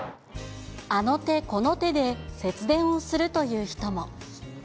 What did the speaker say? あの手この手で、節電をするという人も。